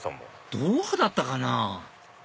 どうだったかな？